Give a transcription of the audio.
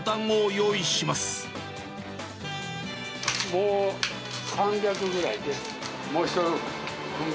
もう３００ぐらいです。